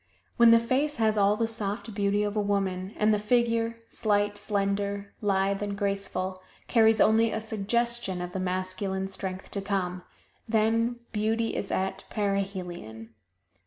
When the face has all the soft beauty of a woman, and the figure, slight, slender, lithe and graceful, carries only a suggestion of the masculine strength to come then beauty is at perihelion.